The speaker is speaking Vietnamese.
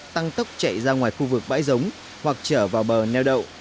tăng tốc chạy ra ngoài khu vực bãi giống hoặc trở vào bờ neo đậu